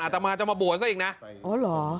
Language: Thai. ตามมาจะมาบวชซะอีกนะอ๋อเหรอ